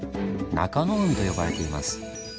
「中湖」と呼ばれています。